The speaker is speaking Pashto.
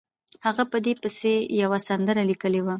هغه په دې پسې یوه سندره لیکلې وه.